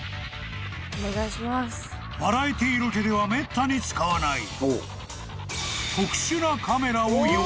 ［バラエティーロケではめったに使わない］